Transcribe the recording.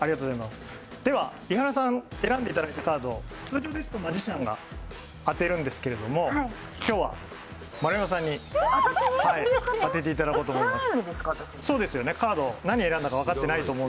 伊原さん、選んでいただいたカードは通常ですとマジシャンが当てるんですけど今日は、丸山さんに当てていただこうと思います。